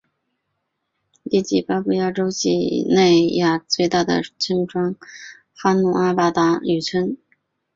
以及巴布亚新几内亚最大的村庄哈努阿巴达渔村。